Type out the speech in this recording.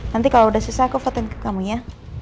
nanti kalau udah sesak aku vote in ke kamu ya